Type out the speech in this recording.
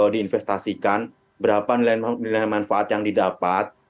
diinvestasikan berapa nilai manfaat yang didapat